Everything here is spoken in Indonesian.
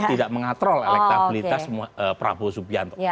tidak mengatrol elektabilitas prabowo subianto